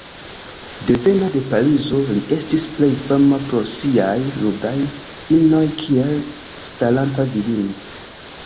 Devena de Parizo, li estis plej fama pro siaj nudaj inoj kiel "Staranta Virino".